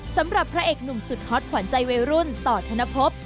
สำหรับพระเอกหนุ่มสุดฮอตขวัญใจวัยรุ่นต่อธนภพ